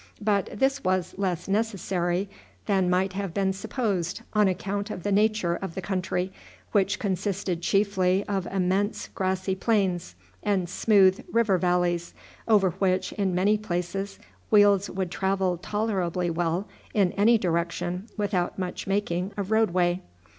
But this was less necessary than might have been supposed on account of the nature of the country, which consisted chiefly of immense grassy plains and smooth river valleys, over which, in many places, wheels would travel tolerably well in any direction without much making of roadway.